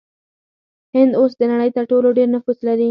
هند اوس د نړۍ تر ټولو ډیر نفوس لري.